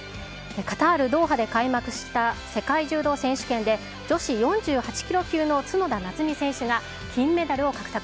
カタール・ドーハで開幕した世界柔道選手権で、女子４８キロ級の角田夏実選手が、金メダルを獲得。